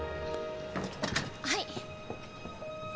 はい。